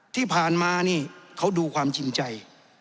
ที่ผ่านมานี่เขาดูความจริงใจ